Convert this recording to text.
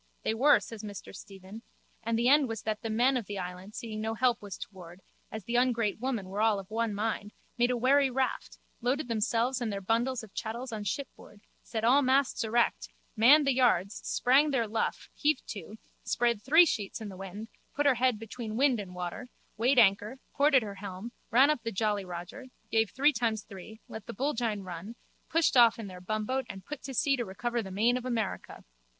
They were, says Mr Stephen, and the end was that the men of the island seeing no help was toward, as the ungrate women were all of one mind, made a wherry raft, loaded themselves and their bundles of chattels on shipboard, set all masts erect, manned the yards, sprang their luff, heaved to, spread three sheets in the wind, put her head between wind and water, weighed anchor, ported her helm, ran up the jolly Roger, gave three times three, let the bullgine run, pushed off in their bumboat and put to sea to recover the main of America.